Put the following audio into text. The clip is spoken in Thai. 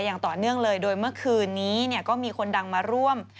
อย่างต่อเนื่องเลยโดยเมื่อคืนนี้ก็มีคนดังมาร่วม